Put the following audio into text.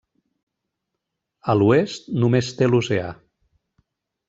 A l'oest només té l'oceà.